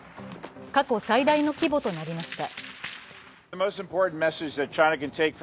過去最大の規模となりました。